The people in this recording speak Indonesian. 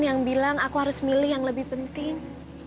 yang bilang aku harus milih yang lebih penting